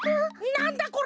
なんだこれ？